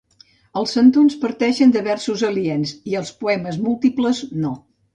Els centons parteixen de versos aliens i els poemes múltiples no.